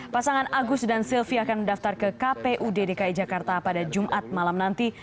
pasangan agus dan silvi akan mendaftar ke kpud dki jakarta pada jumat malam nanti